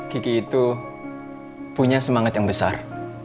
kiki itu punya semangat yang besar